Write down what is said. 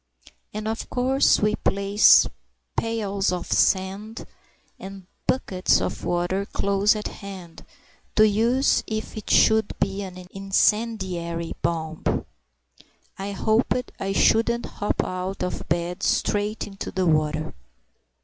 And of course we placed pails of sand and buckets of water close at hand, to use if it should be an incendiary bomb. (I hoped I shouldn't hop out of bed straight into the water!)